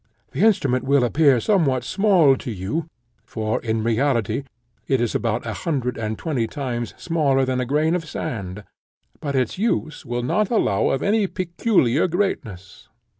The instrument will appear somewhat small to you, for, in reality, it is about a hundred and twenty times smaller than a grain of sand; but its use will not allow of any peculiar greatness.